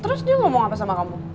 terus dia ngomong apa sama kamu